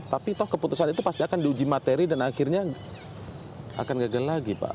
tapi toh keputusan itu pasti akan diuji materi dan akhirnya akan gagal lagi pak